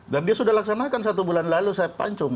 dan dia sudah laksanakan satu bulan lalu saya pancung